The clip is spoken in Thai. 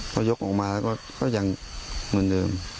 พอยกออกมาก็ยังเหมือนเดิม